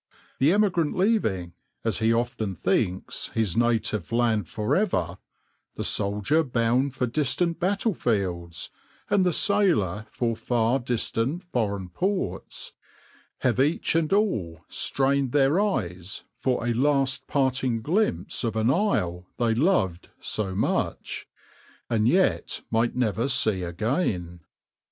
The emigrant leaving, as he often thinks, his native land for ever; the soldier bound for distant battlefields, and the sailor for far distant foreign ports, have each and all strained their eyes for a last parting glimpse of an isle they loved so much, and yet might never see again.